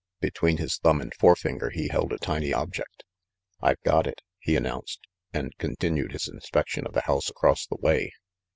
Between his thumb and forefinger he held a tiny object. "I've got it!" he announced, and continued his in spection of the house across the way.